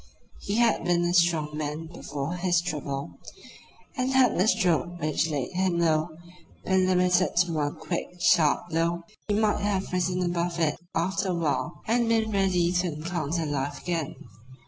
He had been a strong man before his trouble, and had the stroke which laid him low been limited to one quick, sharp blow he might have risen above it after a while and been ready to encounter life again.